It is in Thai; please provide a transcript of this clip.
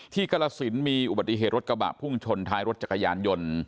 กรสินมีอุบัติเหตุรถกระบะพุ่งชนท้ายรถจักรยานยนต์